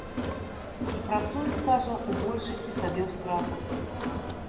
І працуюць, кажа, у большасці сабе ў страту.